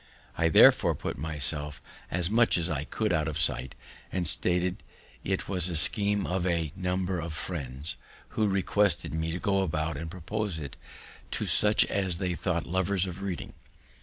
I therefore put myself as much as I could out of sight, and stated it as a scheme of a number of friends, who had requested me to go about and propose it to such as they thought lovers of reading.